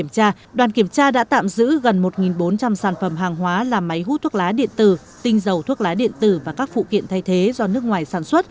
các sản phẩm hàng hóa là máy hút thuốc lá điện tử tinh dầu thuốc lá điện tử và các phụ kiện thay thế do nước ngoài sản xuất